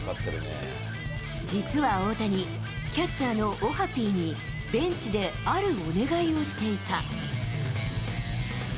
実は大谷、キャッチャーのオハピーにベンチであるお願いをしていた。